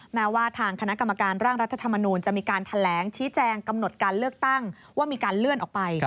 แม้ว่าทางคณะกรรมการร่างรัฐธรรมนูลจะมีการแถลงชี้แจงกำหนดการเลือกตั้งว่ามีการเลื่อนออกไป